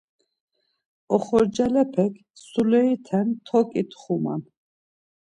Oxorcalepek suleriten toǩi txuman.